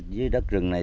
với đất rừng này